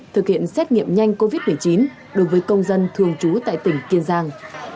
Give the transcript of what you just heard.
thực hiện xét nghiệm nhanh covid một mươi chín đối với công dân thường trú tại tỉnh kiên giang